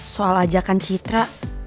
soal ajakan citra